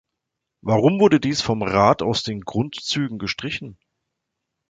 Warum wurde dies vom Rat aus den Grundzügen gestrichen?